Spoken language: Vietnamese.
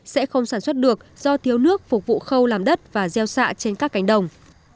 sẽ không sản xuất được do thiếu nước phục vụ khâu làm đất và gieo xạ trên các cánh đồng